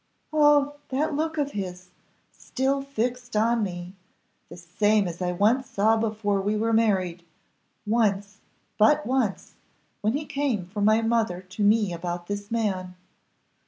"Oh, that look of his! still fixed on me the same as I once saw before we were married once, and but once, when he came from my mother to me about this man.